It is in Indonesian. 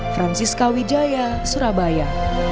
francisca widjaya surabaya